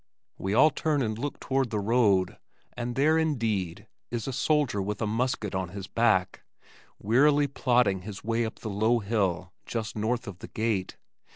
We all turn and look toward the road, and there, indeed, is a soldier with a musket on his back, wearily plodding his way up the low hill just north of the gate.